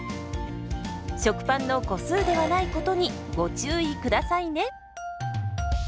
食パンの個数ではないことにご注意下さいね。